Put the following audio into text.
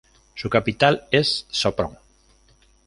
Su capital es Sopron.